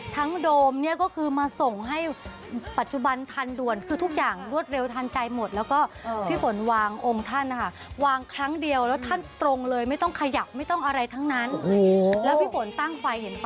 ถึงจะส่องแสงแต่ว่าเราทำตอนกลางวัน